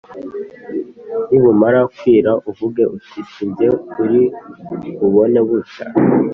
nibumara kwira uvuge uti ‘si jye uri bubone bucya!,’